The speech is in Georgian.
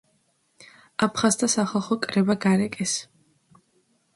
აფხაზთა სახალხო კრება გარეკეს.